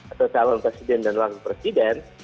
atau calon presiden dan wakil presiden